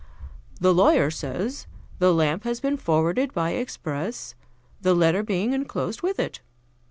"The lawyer says: 'The lamp has been forwarded by express, the letter being enclosed with it.'